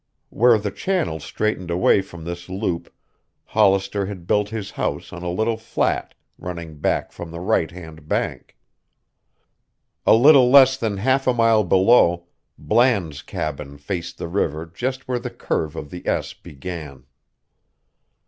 Where the channel straightened away from this loop Hollister had built his house on a little flat running back from the right hand bank. A little less than half a mile below, Bland's cabin faced the river just where the curve of the S began.